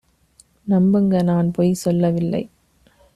நம்புங்க! நான் பொய் சொல்லவில்லை